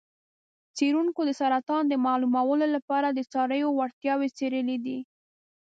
څیړونکو د سرطان د معلومولو لپاره د څارویو وړتیاوې څیړلې دي.